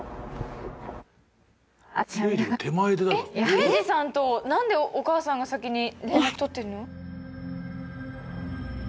刑事さんと何でお母さんが先に連絡取ってんの？